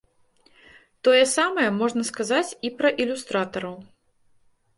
Тое самае можна сказаць і пра ілюстратараў.